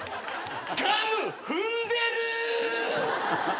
ガム踏んでる！